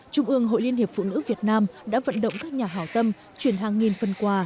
trung ương hội liên hiệp phụ nữ việt nam đã vận động các nhà hảo tâm chuyển hàng nghìn phần quà